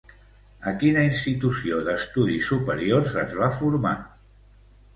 A quina institució d'estudis superiors es va formar?